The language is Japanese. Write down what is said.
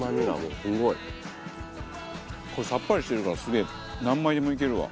これさっぱりしてるからすげえ何枚でもいけるわ。